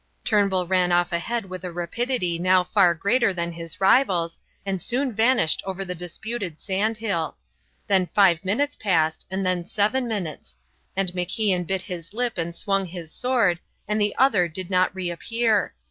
Turnbull ran off ahead with a rapidity now far greater than his rival's, and soon vanished over the disputed sand hill. Then five minutes passed, and then seven minutes; and MacIan bit his lip and swung his sword, and the other did not reappear.